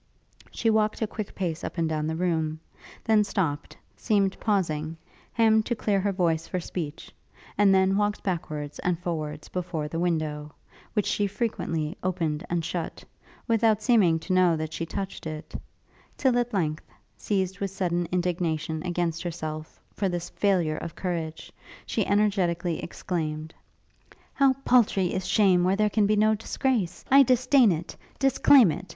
She walked a quick pace up and down the room; then stopt, seemed pausing, hemmed to clear her voice for speech; and then walked backwards and forwards before the window, which she frequently opened and shut, without seeming to know that she touched it; till, at length, seized with sudden indignation against herself, for this failure of courage, she energetically exclaimed, 'How paltry is shame where there can be no disgrace! I disdain it! disclaim it!